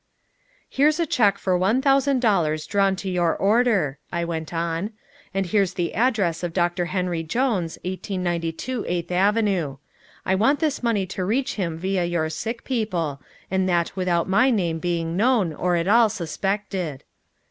"Here's a check for one thousand dollars drawn to your order," I went on. "And here's the address of Doctor Henry Jones, 1892 Eighth Avenue. I want this money to reach him via your sick people, and that without my name being known or at all suspected."